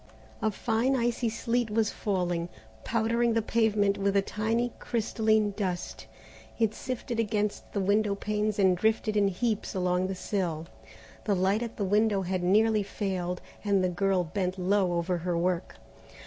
A fine icy sleet was falling, powdering the pavement with a tiny crystalline dust. It sifted against the window panes and drifted in heaps along the sill. The light at the window had nearly failed, and the girl bent low over her work.